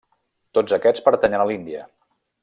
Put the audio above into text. Tots aquests pertanyen a l'Índia.